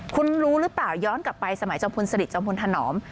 คุณรู้หรือเปล่าย้อนกลับไปสมัยจอมพลสลิดจอมพลธนอม